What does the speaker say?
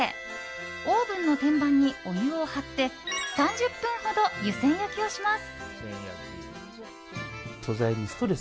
オーブンの天板にお湯を張って３０分ほど、湯煎焼きをします。